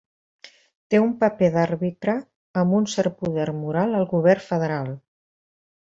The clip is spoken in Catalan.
Té un paper d'àrbitre amb un cert poder moral al govern federal.